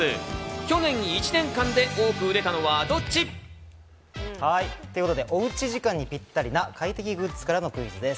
去年１年間で多く売れたのはどっち？ということでおうち時間にぴったりな快適グッズからのクイズです。